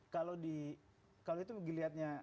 kalau itu dilihatnya